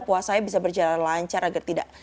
puasanya bisa berjalan lancar agar tidak